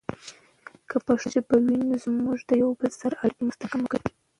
که پښتو ژبه وي، نو زموږ د یوه بل سره اړیکې مستحکم وي.